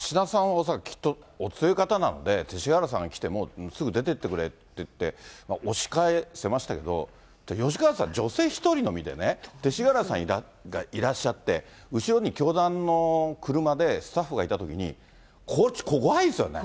だからこれ、橋田さん、恐らくきっとお強い方なので、勅使河原さんが来てもすぐ出ていってくれって言って、押し返せましたけど、吉川さん、女性一人の身でね、勅使河原さんがいらっしゃって、後ろに教団の車でスタッフがいたときに、怖いですよね。